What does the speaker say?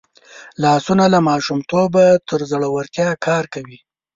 لاسونه له ماشومتوبه تر زوړتیا کار کوي